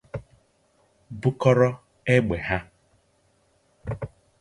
bukọrọ égbè ha